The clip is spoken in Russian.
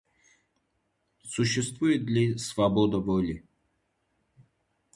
Существует ли свобода воли?